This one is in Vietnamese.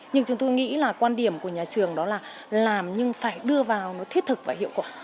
nhưng chúng tôi nghĩ là quan điểm của nhà trường đó là làm nhưng phải đưa vào nó thiết thực và hiệu quả